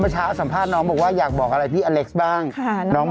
ฉันบอกว่ารูปวาร์ฟคืออย่างนี้